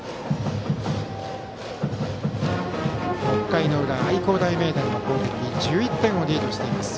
６回の裏、愛工大名電の攻撃１１点をリードしています。